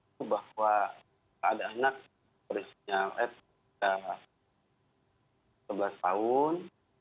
itu bahwa ada anak berusia sebelas tahun